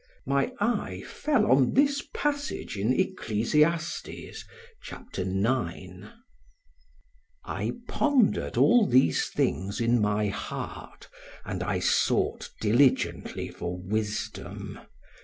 My eye fell on this passage in Ecclesiastes, chapter ix: I pondered all these things in my heart, and I sought diligently for wisdom.